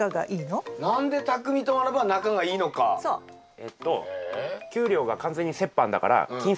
えっと給料が完全に折半だから金銭トラブルがない。